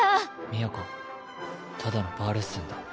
都ただのバーレッスンだ。